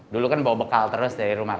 dulu kan bawa bekal terus dari rumah